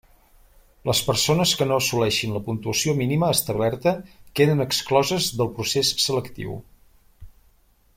Les persones que no assoleixin la puntuació mínima establerta queden excloses del procés selectiu.